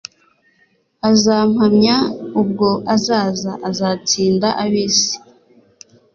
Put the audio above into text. azampamyaUbwo azaza, azatsinda ab'isi,